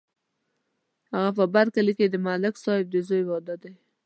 په بر کلي کې د ملک صاحب د زوی واده دی.